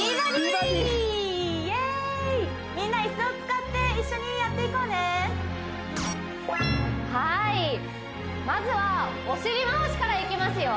みんな椅子を使って一緒にやっていこうねはいまずはお尻回しからいきますよ